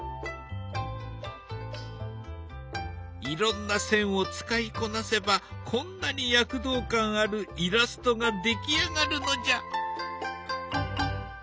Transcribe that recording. いろんな線を使いこなせばこんなに躍動感あるイラストが出来上がるのじゃ！